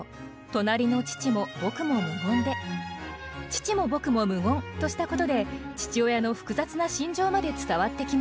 「父も僕も無言」としたことで父親の複雑な心情まで伝わってきます。